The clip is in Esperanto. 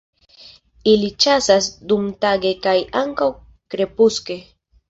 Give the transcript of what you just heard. Ili ĉasas dumtage kaj ankaŭ krepuske.